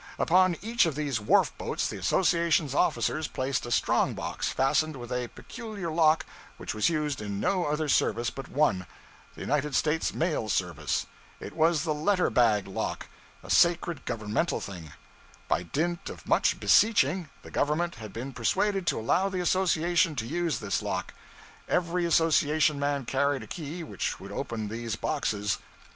Upon each of these wharf boats the association's officers placed a strong box fastened with a peculiar lock which was used in no other service but one the United States mail service. It was the letter bag lock, a sacred governmental thing. By dint of much beseeching the government had been persuaded to allow the association to use this lock. Every association man carried a key which would open these boxes.